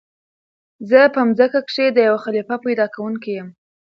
"زه په ځمكه كښي د يو خليفه پيدا كوونكى يم!"